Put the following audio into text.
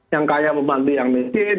yang kaya membantu yang miskin